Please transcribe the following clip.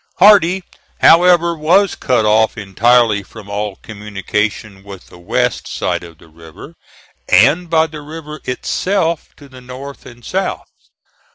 Hardee, however, was cut off entirely from all communication with the west side of the river, and by the river itself to the north and south.